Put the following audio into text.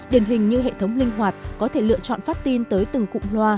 điển hình như hệ thống linh hoạt có thể lựa chọn phát tin tới từng cụm loa